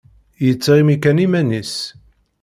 Yettɣimi kan iman-is.